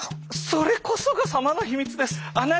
それこそが狭間の秘密です。